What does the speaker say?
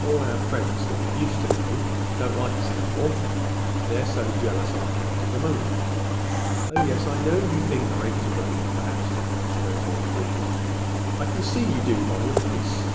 All our friends that we used to know don't like us any more, they're so jealous on account of the money. Oh, yes, I know you think I'm to blame for that," she went on aggrievedly. "I can see you do, by your face.